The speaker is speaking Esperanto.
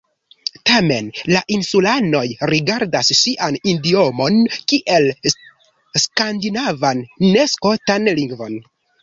Tamen, la insulanoj rigardas sian idiomon kiel skandinavan, ne skotan lingvon.